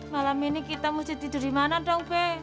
malam ini kita masjid tidur di mana dong pe